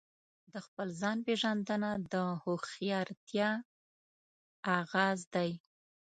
د خپل ځان پیژندنه د هوښیارتیا آغاز دی.